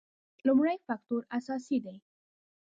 لومړی فکټور اساسي دی.